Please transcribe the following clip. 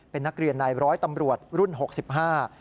เป็นนักเรียนนายร้อยตำรวจรุ่นหกสิบห้า